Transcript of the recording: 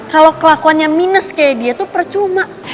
kalau kelakuannya minus kayak dia tuh percuma